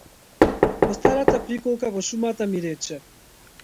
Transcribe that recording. Во старата приколка во шумата ми рече.